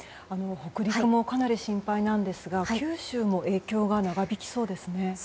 北陸も心配なんですが九州も影響が長引きそうですね。